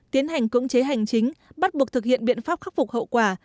tiến hành cưỡng chế hành chính bắt buộc thực hiện biện pháp khắc phục hậu quả